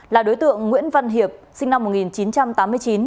là đối tượng nguyễn văn hiệp sinh năm một nghìn chín trăm tám mươi chín